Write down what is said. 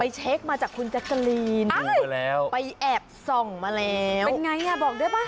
เช็คมาจากคุณแจ๊กกะลีนไปแอบส่องมาแล้วเป็นไงอ่ะบอกได้ป่ะ